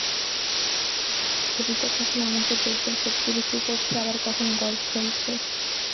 ছবিতে কখনো আমাকে দেখবেন সবজি বিক্রি করছি, আবার কখনো গলফ খেলছি।